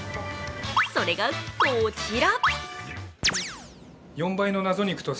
それがこちら。